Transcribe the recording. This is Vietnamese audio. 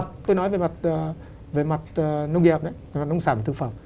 tôi nói về mặt nông nghiệp nông sản và thực phẩm